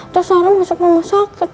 terus orang masuk rumah sakit